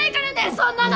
そんなの！